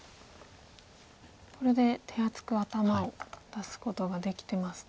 これで手厚く頭を出すことができてますね。